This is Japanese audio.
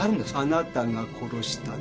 あなたが殺したんです。